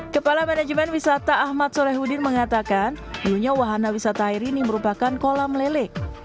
kepala manajemen wisata ahmad solehudin mengatakan dulunya wahana wisata air ini merupakan kolam lele